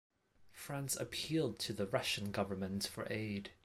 France appealed to the Russian government for aid.